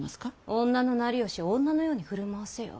女のなりをし女のように振る舞わせよ。